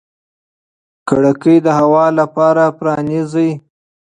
کړکۍ د هوا لپاره پرانیزئ.